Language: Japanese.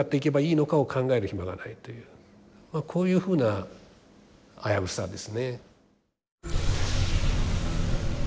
というこういうふうな危うさですね。